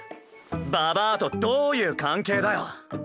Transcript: ババアとどういう関係だよ？